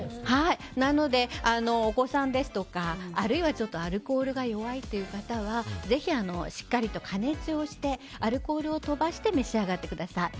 なので、お子さんですとかあるいはアルコールが弱いという方はぜひしっかりと加熱をしてアルコールを飛ばして召し上がってください。